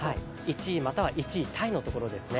１位、または１位タイのところですね。